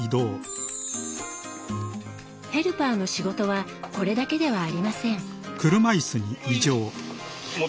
ヘルパーの仕事はこれだけではありません。